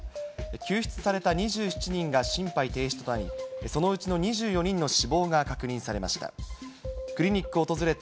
救出された２７人が心肺停止となり、そのうちの２４人の死亡が確認されました。